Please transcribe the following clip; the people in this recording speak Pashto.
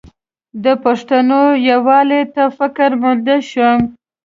د پښتنو یووالي ته فکرمند شم.